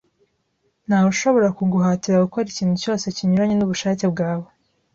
Ntawe ushobora kuguhatira gukora ikintu cyose kinyuranye nubushake bwawe